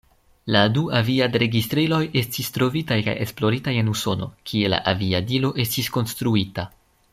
La du aviad-registriloj estis trovitaj kaj esploritaj en Usono, kie la aviadilo estis konstruita.